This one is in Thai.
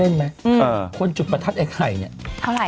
เล่นไหมคนจุดประทัชไอไข่